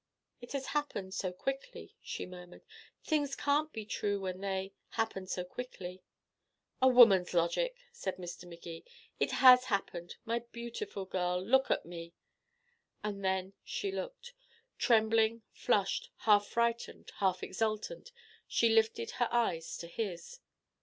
"It has happened so quickly," she murmured. "Things can't be true when they happen so quickly." "A woman's logic," said Mr. Magee. "It has happened. My beautiful girl. Look at me." And then she looked. Trembling, flushed, half frightened, half exultant, she lifted her eyes to his.